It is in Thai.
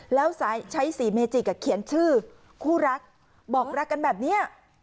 แล้วใช้สีเมจิกเขียนชื่อคู่รักบอกรักกันแบบนี้